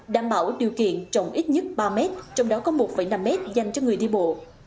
đảm bảo điều kiện trồng ít nhất ba mét trong đó có một năm mét dành cho người đi bộ